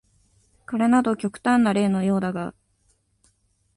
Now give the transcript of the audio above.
これなど極端な例のようだが、